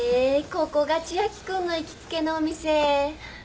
ここが千秋君の行きつけのお店？